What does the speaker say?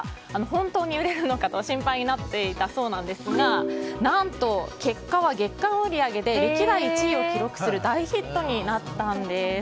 本当に売れるのかと心配になっていたそうなんですがなんと、結果は月間売り上げで歴代１位を記録する大ヒットになったんです。